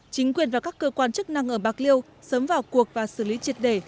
chính quyền và các cơ quan chức năng ở bạc liêu sớm vào cuộc và xử lý triệt đề